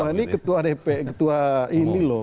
ini ketua dp ketua ini loh